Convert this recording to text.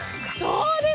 そうですね。